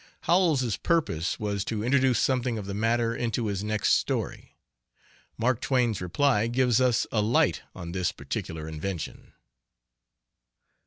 Howells's purpose was to introduce something of the matter into his next story. Mark Twain's reply gives us a light on this particular invention.